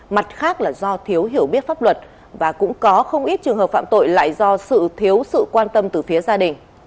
mặt khác là do thiếu hiểu biết pháp luật và cũng có không ít trường hợp phạm tội lại do sự thiếu sự quan tâm từ phía gia đình